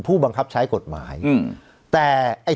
ตำรวจหมายแต่ไอ้